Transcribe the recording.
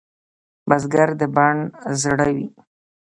بزګر د بڼ زړه وي